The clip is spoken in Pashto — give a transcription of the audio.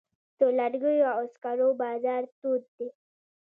د لرګیو او سکرو بازار تود دی؟